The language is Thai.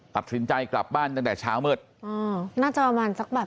ตัดสินใจกลับบ้านตั้งแต่เช้ามืดอ๋อน่าจะประมาณสักแบบ